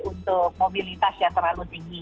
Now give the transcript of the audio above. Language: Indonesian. untuk mobilitas yang terlalu tinggi